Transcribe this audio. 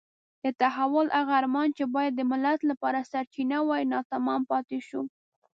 د تحول هغه ارمان چې باید د ملت لپاره سرچینه وای ناتمام پاتې شو.